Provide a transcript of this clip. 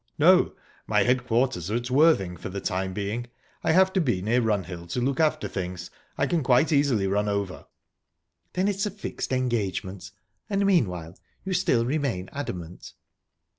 "No my headquarters are at Worthing for the time being. I have to be near Runhill to look after things. I can quite easily run over." "Then it's a fixed engagement...And meanwhile, you still remain adamant?"